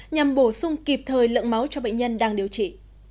nhằm bổ sung kịp thời lượng máu cho bệnh nhân đang điều trị